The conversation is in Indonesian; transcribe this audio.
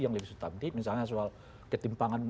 yang lebih subtantif misalnya soal ketimpangan